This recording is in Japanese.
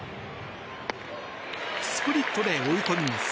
スプリットで追い込みます。